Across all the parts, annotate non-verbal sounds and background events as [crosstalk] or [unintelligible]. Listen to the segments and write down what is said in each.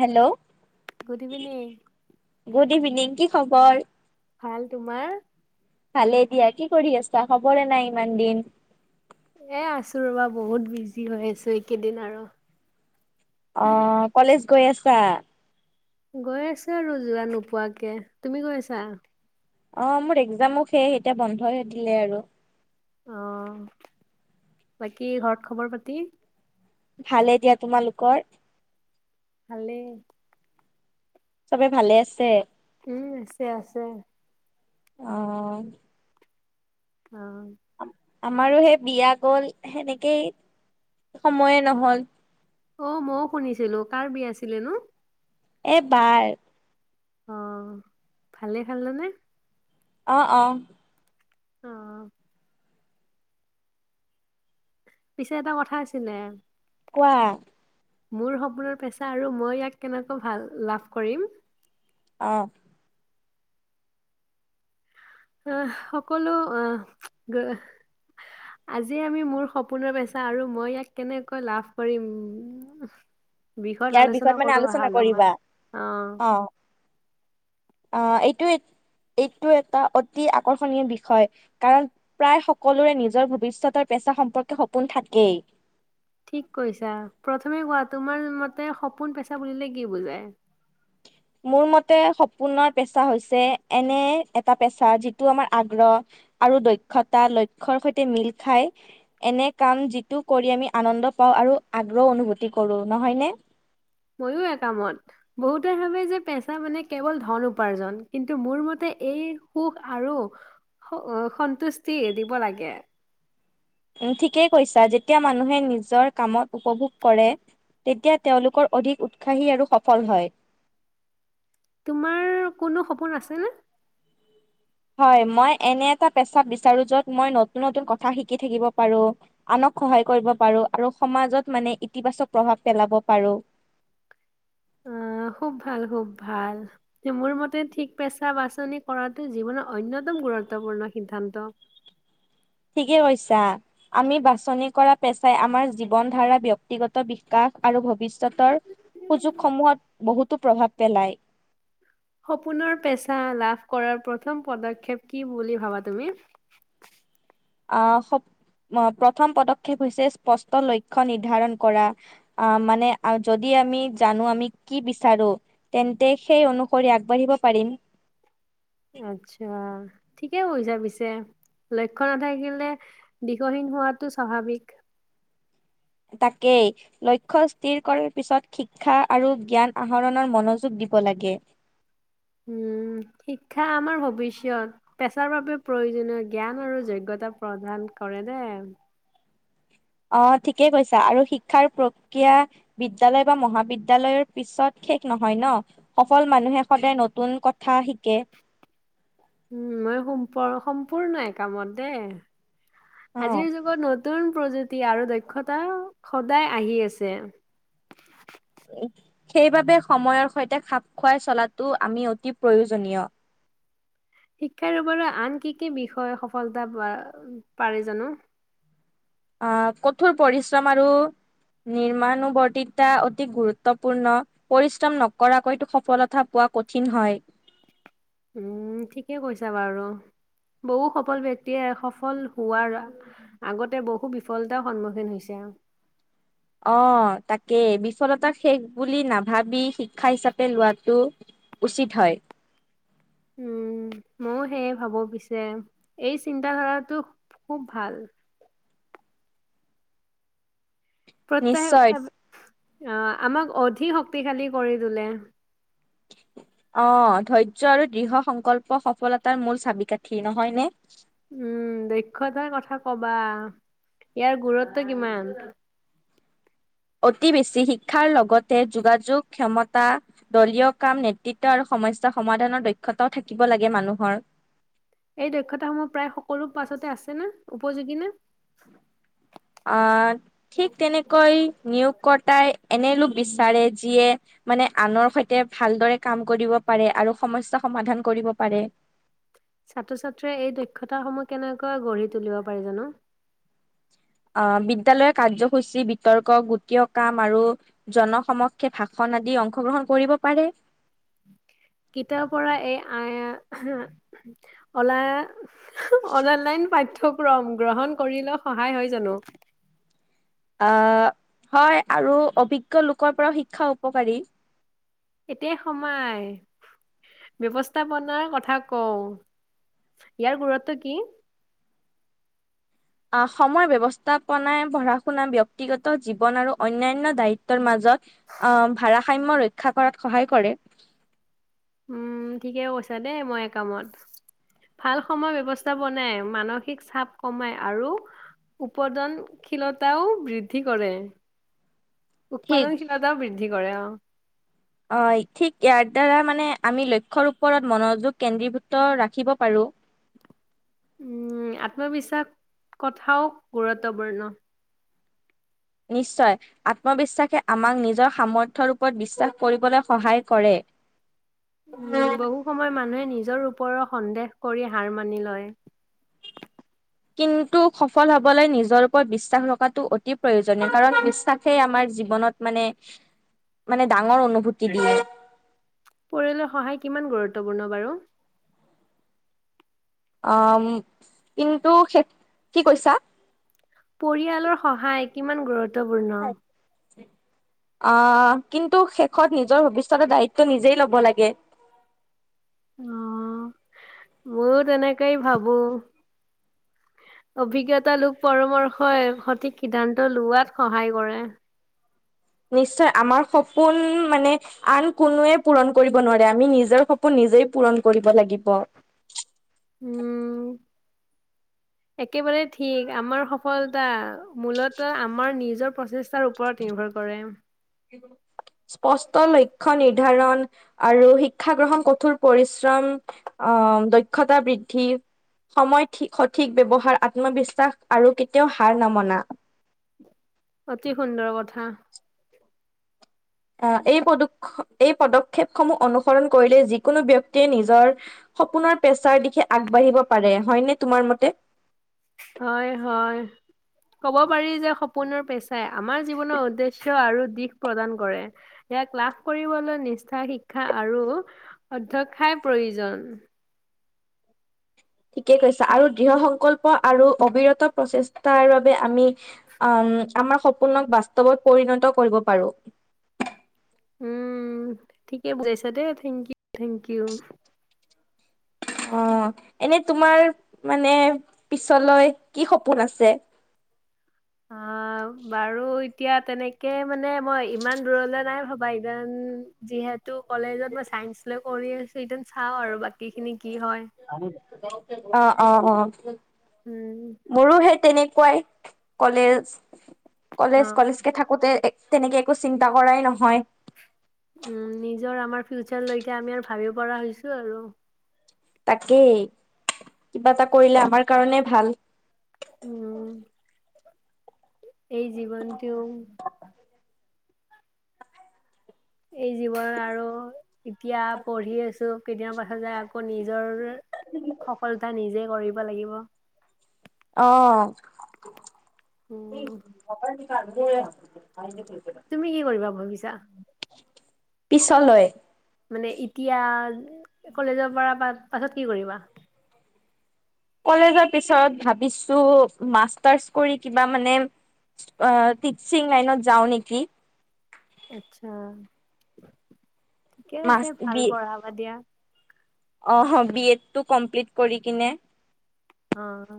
Hello. Good evening. Good evening কি খবৰ ভাল তোমাৰ ভালে দিয়া কি কৰি আছা খবৰে নাই ইমান দিন এ আছো ৰবা বহুত বিজি হৈ আছো এইকেইদিন আৰু অ কলেজ গৈ আছা। গৈ আছো আৰু যোৱা নোপোৱাকে তুমি গৈ আছা। অ মোৰ একজামো শেষ। এতিয়া বন্ধৱে দিলে আৰু অঁ, বাকী ঘৰত খবৰ পাতি? ভালেই দিয়া তোমালোকৰ? ভালে। চবে ভালে আছে? উম আছে আছে। অঁ অ [unintelligible] আমাৰো সেই বিয়া গ'ল সেনেকেই সময়ে ন'হল। অ মওঁ শুনিছিলো কাৰ বিয়া আছিলে নো? এ বাৰ। অ' ভালেই খালেনে? অঁ অঁ অঁ পিছে এটা কথা আছিলে। কোৱা? মোৰ সপোনৰ পেচা আৰু মই ইয়াক কেনেকৈ ভাল লাভ কৰিম। অঁ আহ্‌ঁ সকলো আহ্‌ঁ- আজি আমি মোৰ সপোনৰ পেচা আৰু মই ইয়াক কেনেকৈ লাভ কৰিম [unintelligible] বৃহৎ ইয়াৰ বিষয়ত আলোচনা মানে কৰো আলোচনা আহা অলপমান। কৰিবা অঁ আ এইটো, এইটো এটা অতি আকৰ্ষণীয় বিষয় কাৰণ প্ৰায় সকলোৰে নিজৰ ভৱিষ্যতৰ পেছা সম্পৰ্কে সপোন থাকেই। [unintelligible] ঠিক কৈছা। প্ৰথমে কোৱা তোমাৰ মতে সপোন পেছা বুলিলে কি বুজাই? মোৰ মতে, সপোনৰ পেছা হৈছে-এনে এটা পেছা যিটো আমাৰ আগ্ৰহ আৰু দক্ষতা লক্ষ্যৰ সৈতে মিল খাই। এনে কাম যিটো কৰি আমি আনন্দ পাওঁ আৰু আগ্ৰহ অনুভূতি কৰো। নহয়নে? [unintelligible] ময়ো একামত। বহুতে ভাৱে যে পেছা মানে কেৱল ধন উপাৰ্জন কিন্তু মোৰ মতে, এই সুখ আৰু সু- অঁ সন্তুষ্টি দিব লাগে। [unintelligible] ওঁ ঠিকেই কৈছা। যেতিয়া মানুহে নিজৰ কামত উপভোগ কৰে তেতিয়া তেওঁলোকৰ অধিক উৎসাহী আৰু সফল হয়। [unintelligible] তোমাৰ কোনো সপোন আছেনে? [unintelligible] হয়, মই এনে এটা পেছাক বিচাৰো য'ত মই নতুন নতুন কথা শিকি থাকিব পাৰো, আনক সহায় কৰিব পাৰো আৰু সমাজত মানে, ইতিবাচক প্ৰভাৱ পেলাব পাৰো। [unintelligible] আঁ খুব ভাল, খুব ভাল, মোৰ মতে, ঠিক পেছা বাছনি কৰাটো জীৱনৰ অন্যতম গুৰুত্বপূৰ্ণ সিদ্ধান্ত। [unintelligible] ঠিকে কৈছা। আমি বাছনি কৰা পেছাই আমাৰ জীৱন ধাৰা ব্যক্তিগত বিকাশ আৰু ভৱিষ্যতৰ সুযোগ সমূহত বহুতো প্ৰভাৱ পেলায়। [unintelligible] সপোনৰ পেছা লাভ কৰাৰ প্ৰথম পদক্ষেপ কি বুলি ভাৱা তুমি? আঁ-সপ্‌- প্ৰথম পদক্ষেপ হৈছে- স্পষ্ট লক্ষ্য নিৰ্ধাৰণ কৰা। আ- মানে যদি আমি জানো আমি কি বিচাৰো, তেন্তে সেই অনুসৰি আগবাঢ়িব পাৰিম। [unintelligible] আচ্ছা, ঠিকেই কৰিছা পিছে। লক্ষ্য নাথাকিলে দীৰ্ঘহীন হোৱাটো স্বাভাৱিক। [unintelligible] তাকেই, লক্ষ্য স্থিৰ কৰাৰ পিছত শিক্ষা আৰু জ্ঞান আহৰণৰ মনোযোগ দিব লাগে। [unintelligible] উম, শিক্ষা আমাৰ ভৱিষ্যত। পেছাৰ বাবে প্ৰয়োজনীয় জ্ঞান আৰু যোগ্যতা প্ৰদান কৰেণে? [unintelligible] অঁ ঠিকেই কৈছা আৰু শিক্ষাৰ প্ৰক্ৰিয়া বিদ্যালয় বা মহাবিদ্যালয়ৰ পিছত শেষ নহয় ন' সফল মানুহে সদায় নতুন কথা শিকে। [unintelligible] উম মই সম্পৰ সম্পূৰ্ণই এ কামতে [unintelligible] অ'। আজিৰ যুগত নতুন প্ৰযুক্তি আৰু দক্ষতা সদায় আহি আছে। সেইবাবে সময়ৰ সৈতে খাপ খোৱাই চলাটো আমি অতি প্ৰয়োজনীয়। শিক্ষাৰ পৰা আন কি কি বিষয়ে সফলতা পা-পাৰে জানো? [unintelligible] আ, কঠোৰ পৰিশ্ৰম আৰু নিৰ্মানুবৰ্তিতা অতি গুৰুত্বপূৰ্ণ। পৰিশ্ৰম নকৰাকৈটো সফলতা পোৱা কঠিন হয়। [unintelligible] উম ঠিকেই কৈছা বাৰু বহু সফল ব্ক্তিয়ে সফল হোৱাৰ আগতে বহু বিফলতাৰ সন্মুখীন হৈছে। [unintelligible] অ-তাকেই বিফলতাক শেষ বুলি নাভাবি শিক্ষা হিচাপে লোৱাটো উচিত হয়। [unintelligible] উম ম'ও সেয়ে ভাৱো পিছে, এই চিন্তাধাৰাটো খুব ভাল। প্ৰত্যাহাৰ নিশ্চয় আ অঁ আমাক অধি শক্তিশালী কৰি তোলে। [unintelligible] অ ধৈৰ্য আৰু দৃঢ় সংকল্প সফলতাৰ মূল চাবিকাঠি নহয়নে? [unintelligible] উম! দক্ষতাৰ কথা কবা ইয়াৰ গুৰুত্ব কিমান [unintelligible] অতি বেছি শিক্ষাৰ লগতে যোগাযোগ ক্ষমতা দলীয় কাম নেতৃত্ব আৰু সমস্যা সমাধানৰ দক্ষতাও থাকিব লাগে মানুহৰ। [unintelligible] এই দক্ষতাসমূহ প্ৰায় সকলো পাছতে আছে না উপযোগী নে? [unintelligible] অ ঠিক তেনেকৈ নিয়োগকৰ্তাই এনে লোক [unintelligible] বিচাৰে যিয়ে মানে আনৰ সৈতে ভালদৰে কাম কৰিব পাৰে আৰু সমস্যা সমাধান কৰিব পাৰে। [unintelligible] ছাত্ৰ-ছাত্ৰীয়ে এই দক্ষতাসমূহ কেনেকৈ গঢ়ি তুলিব পাৰি জানো? [unintelligible] আহ, বিদ্যালয়ৰ কাৰ্যসূচী বিতৰ্ক গোটীয় কাম আৰু জনসমক্ষে ভাষণ আদি অংশগ্ৰহণ কৰিব পাৰে। [unintelligible] কিতাৰ পৰা এই আইয়া অলা অলালাইন পাঠ্যক্ৰম গ্ৰহণ কৰিলে সহায় হয় জানো? [unintelligible] আহ, হয় আৰু অভিজ্ঞ লোকৰ পৰাও শিক্ষা উপকাৰী এতিয়া সমাই ব্যৱস্থাপনাৰ কথা কওঁ ইয়াৰ গুৰুত্ব কি? [unintelligible] অহ, সময় ব্যৱস্থাপনাই পঢ়া শুনা ব্যক্তিগত জীৱন আৰু অন্যান্য দায়িত্বৰ মাজত অহ ভাৰাসাম্য ৰক্ষা কৰাত সহায় কৰে। উম ঠিকে কৈছা দেই মই এ কামত ভাল সময় ব্যৱস্থাপনাই মানসিক চাপ কমাই আৰু উপদনশীলতাও বৃদ্ধি কৰে। ঠিক উৎপাদনশীলতাও বৃদ্ধি কৰে অ অ অ ঠিক ইয়াৰ দ্বাৰা মানে আমি লক্ষ্যৰ ওপৰত মনোযোগ কেন্দ্ৰীভূত ৰাখিব পাৰো। উম, আত্মবিশ্বাস কথাও গুৰুত্বপূৰ্ণ নিশ্চয়! আত্মবিশ্বাসে আমাক নিজৰ সামৰ্থ্যৰ ওপৰত বিশ্বাস কৰিবলে সহায় কৰে। উম বহু সময় মানুহে নিজৰ ওপৰৰ সন্দেহ কৰি হাৰ মানি লয় কিন্তু সফল হবলৈ নিজৰ ওপৰত বিশ্বাস ৰখাটো অতি প্ৰয়োজনীয় কাৰণ বিশ্বাসেই আমাৰ জীৱনত মানে, মানে ডাঙৰ অনুভূতি দিয়ে। পৰিয়ালৰ সহায় কিমান গুৰুত্বপূৰ্ণ বাৰু? অ, কিন্তু হে কি কৈছা? পৰিয়ালৰ সহায় কিমান গুৰু ত্ত্বপূৰ্ণ? অহ কিন্তু শেষত নিজৰ ভৱিষ্যতৰ দায়িত্ব নিজেই ল'ব লাগে। অ ময়ো তেনেকেই ভাবো অভিজ্ঞতা লোক পৰামৰ্শই সঠিক সিদ্ধান্ত লোৱাত সহায় কৰে। নিশ্চয়, আমাৰ সপোন মানে আন কোনোৱে পূৰণ কৰিব নোৱাৰে আমি নিজৰ সপোন নিজেই পূৰণ কৰি ব লাগিব। উম। একেবাৰে ঠিক আমাৰ সফলতা মূলত আমাৰ নিজৰ প্ৰচেষ্টাৰ ওপৰত নিৰ্ভৰ কৰে। স্পষ্ট লক্ষ্য নিৰ্ধাৰণ আৰু শিক্ষা গ্ৰহণ কঠোৰ পৰিশ্ৰম অহ দক্ষতা বৃদ্ধি সময় ঠি সঠিক ব্যৱহাৰ আত্মবিশ্বাস আৰু কেতিয়াও হাৰ নামনা অতি সুন্দৰ কথা। অহ, এই পদোক্ষ এই পদক্ষেপসমূহ অনুসৰণ কৰিলে যিকোনো ব্যক্তিয়ে নিজৰ সপোনৰ পেচাৰ দিশে আগবাঢ়িব পাৰে হয়নে তোমাৰ মতে? হয় হয় কব পাৰি যে সপোনৰ পেচাই আমাৰ জীৱনৰ উদ্দেশ্য আৰু দিশ প্ৰদান কৰে ইয়াক লাভ কৰিবলৈ নিষ্ঠা শিক্ষা আৰু অধ্ক্ষাই প্ৰয়োজন। ঠিকে কৈছা আৰু দৃঢ় সংকল্প আৰু অবিৰত প্ৰচেষ্টাৰ বাবে আমি অ আমাৰ সপোনক বাস্তৱত পৰিণত কৰিব পাৰো। উম ঠিকে বুজাইছা দে থেংক ইউ থেংক ইউ। অ এনে তোমাৰ মানে পিছলৈ কি সপোন আছে? অহ বাৰু এতিয়া তেনেকে মানে মই ইমান দূৰলৈ নাই ভবা ইদেন যিহেতু কলেজত মই চাইন্স লৈ কৰি আছো ইদেন অ অ অ [unintelligible] উম! মোৰো সেই তেনেকুৱাই কলেজ। অ কলেজ কলেজকে থাকোতে, তেনেকে একো চিন্তা কৰাই নহয়। উম নিজৰ আমাৰ ফিউচাৰলৈকে আমি আৰু ভাবিব পৰা হৈছো আৰু। তাকেই, কিবা এটা কৰিলে আমাৰ কাৰণে ভাল। উম। এই জীৱনটো, এই জীৱন আৰু, এতিয়া পঢ়ি আছো। কেতিয়াবা দেখা যে আকৌ নিজৰ সফলতা নিজে, গঢ়িব লাগিব। অ। স উম আ [unintelligible] [unintelligible] তুমি কি কৰিবা ভাবিছা? পিছলৈ। মানে এতিয়া কলেজৰ পৰা পাছত কি কৰিবা? কলেজৰ পিছত ভাবিছো মাষ্টাৰ্চ কৰি কিবা মানে টিচিং লাইনত যাওঁ নেকি। আটচ্ছা। ঠিকে আছে মাছ ভাল বি পঢ়াবা দিয়া। অ বি এডটো কমপ্লিট কৰি কিনে। অ।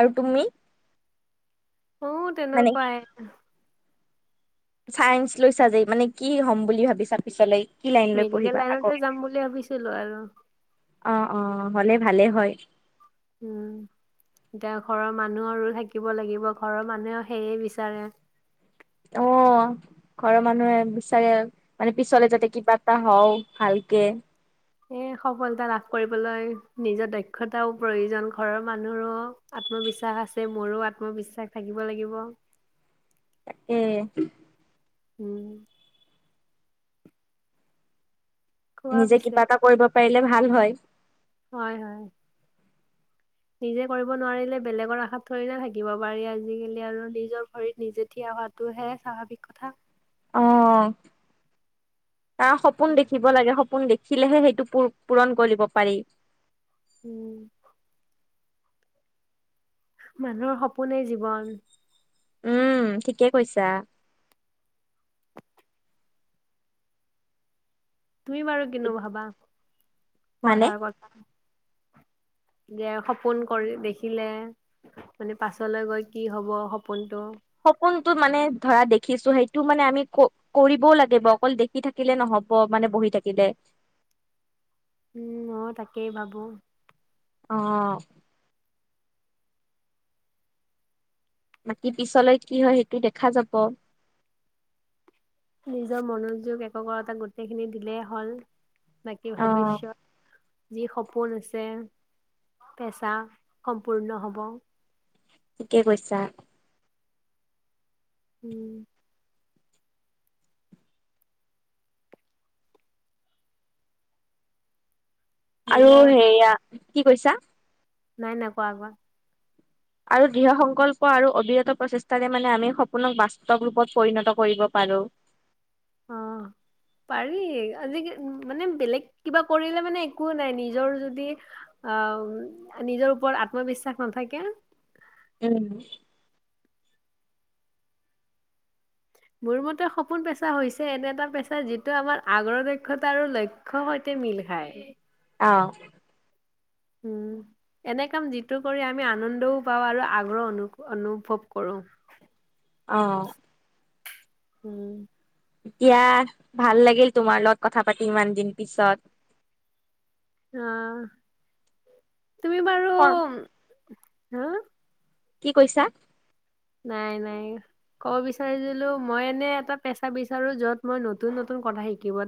আৰু তুমি? অ তেনেকুৱাই। চায়েঞ্চ লৈছা যে, ই মানে কি হ'ম বুলি ভাবিছা পিছলে? মেডিকেল লাইনতে যাম বুলি ভাবিছিলো আৰু? অ অ হ'লে ভালে হয়। উম এতিয়া ঘৰৰ মানুহৰো থাকিব লাগিব, ঘৰৰ মানুহেও সেইয়ে বিচাৰে। অ ঘৰৰ মানুহে বিচাৰে, মানে পিছলে যাতে কিবা এটা হও। ভালকে, এ সফলতা লাভ কৰিবলৈ নিজৰ দক্ষতাও প্ৰয়োজন। ঘৰৰ মানুহৰো আত্মবিশ্বাস আছে, মোৰো আত্মবিশ্বাস থাকিব লাগিব। সেইয়ে। উম। কোৱা নিজে পিছে কিবা এটা কৰিব পাৰিলে, ভাল হয়। হয় হয়। নিজে কৰিব নোৱাৰিলে বেলেগৰ আশাত থৰিনা থাকিব পাৰি আজিকালি আৰু নিজৰ ভৰিত নিজে থিয় হোৱাটোহে স্বাভাৱিক কথা। অ। অ অ সপোন দেখিব লাগে, সপোন দেখি দেখিলেহে সেইটো পু পুৰণ কৰিব পাৰি। [unintelligible] মানুহৰ সপোনে জীৱন। উম ঠিকে কৈছা। তুমি বাৰু কিনো ভাবা। মানে পঢ়াৰ কথা। যে সপোন কৰি দেখিলে মানে পাছলৈ গৈ কি হব সপোনটো। সপোনটো মানে ধৰা দেখিছো সেইটো মানে আমি ক কৰিবও লাগিব অকল দেখি থাকিলে নহব মানে বহি থাকিলে। উম ম তাকেই ভাবো। অ। অ বাকী পিছলৈ কি হয় সেইটো দেখা যাব। নিজৰ মনোযোগ একগা গোটেইখিনি দিলেই হ'ল বাকী ভৱিষ্যয়ত যি সপোন আছে পেচা সম্পূৰ্ণ হব। থিকে কৈছা। উম। আৰু নিজৰ সেয়া। কি কৈছা। নাই নাই কোৱা কোৱা। আৰু দৃঢ়সংকল্প আৰু অবিৰত প্ৰচেষ্টাৰে মানে আমি সপোনক বাস্তৱ ৰূপত পৰিণত কৰিব পাৰোঁ। অ পাৰি আজি মানে বেলেগ কিবা কৰিলে মানে একো নাই নিজৰ যদি আহ নিজৰ ওপৰত আত্মবিশ্বাস নাথাকে। উম। মোৰ মতে সপোন পেচা হৈছে এনে এটা পেচা যিটো আমাৰ আগ্ৰ দক্ষতা আৰু লক্ষ্যয়ৰ সৈতে মিল খায়। অ। উম এনে কাম যিটো কৰি আমি আনন্দও পাওঁ আৰু আগ্ৰহ অনু অনুভৱ কৰো। অ। উম। এতিয়া ভাল লাগিল তোমাৰ লগত কথা পাতি ইমান দিন পিছত। অ তুমি। পৰ। হো। কি কৈছা। নাই নাই ক'ব বিচাৰছিলো মই এনে এটা পেছা বিচাৰো যত মই নতুন নতুন কথা শিকিব।